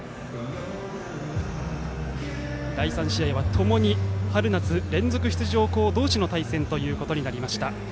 第３試合は共に春夏連続出場校同士の試合となりました。